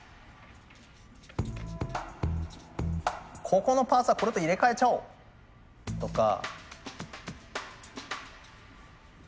ここのパーツはこれと入れ替えちゃおうとか。